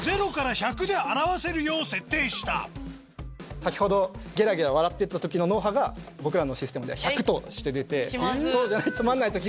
先ほどゲラゲラ笑ってた時の脳波が僕らのシステムでは１００として出てそうじゃない。